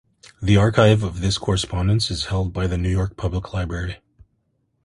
The archive of his correspondence is held by the New York Public Library.